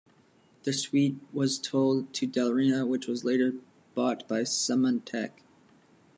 The suite was sold to Delrina, which was later bought by Symantec.